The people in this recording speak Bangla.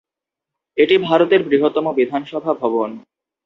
এটি ভারতের বৃহত্তম বিধানসভা ভবন।